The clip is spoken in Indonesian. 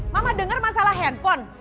mama dengar masalah handphone